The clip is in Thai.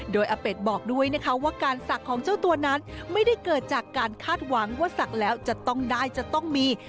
โดยอาเป็ดบอกด้วยนะคะว่าการศักดิ์ของเจ้าตัวนั้นไม่ได้เกิดจากการคาดหวังว่าศักดิ์แล้วจะต้องได้จะต้องมี